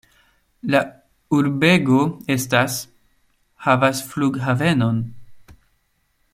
La urbego estas havas flughavenon.